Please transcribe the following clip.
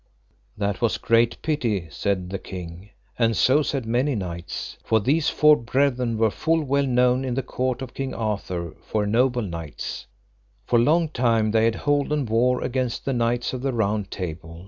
That was great pity, said the king, and so said many knights. For these four brethren were full well known in the court of King Arthur for noble knights, for long time they had holden war against the knights of the Round Table.